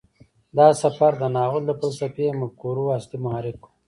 دا سفر د ناول د فلسفي مفکورو اصلي محرک و.